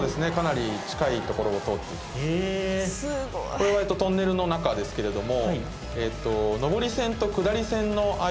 これはトンネルの中ですけれども。